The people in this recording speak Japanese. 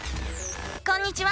こんにちは！